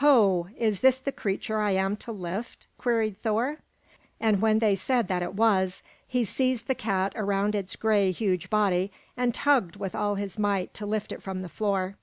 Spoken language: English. "Ho! Is this the creature I am to lift?" queried Thor. And when they said that it was, he seized the cat around its gray, huge body and tugged with all his might to lift it from the floor.